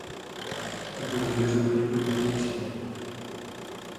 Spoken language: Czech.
To považuji za poněkud matoucí.